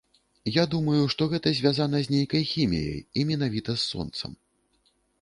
Я думаю, што гэта звязана з нейкай хіміяй і менавіта з сонцам.